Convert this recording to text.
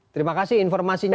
terima kasih informasinya